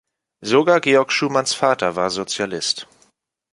Sogar Georg Schumanns Vater war Sozialist.